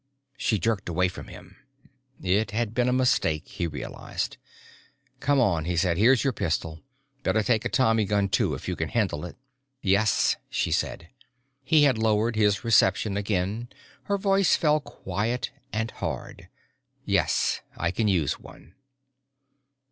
She jerked away from him. It had been a mistake, he realized. "Come on," he said. "Here's your pistol. Better take a tommy gun too if you can handle it." "Yes," she said. He had lowered his reception again, her voice fell quiet and hard. "Yes, I can use one."